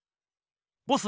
ボス